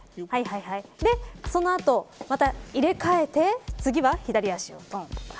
その後、また入れ替えて次は左足をとん。